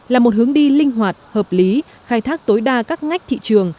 là một hướng đi linh hoạt hợp lý khai thác tối đa các ngách thị trường